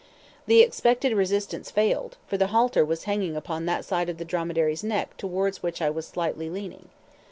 The expected resistance failed, for the halter was hanging upon that side of the dromedary's neck towards which I was slightly leaning.